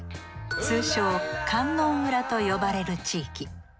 通称観音裏と呼ばれる地域。